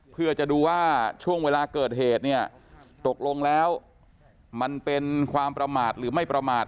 เพื่อจะดูว่าช่วงเวลาเกิดเหตุเนี่ยตกลงแล้วมันเป็นความประมาทหรือไม่ประมาท